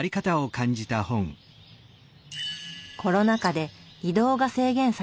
コロナ禍で移動が制限される昨今。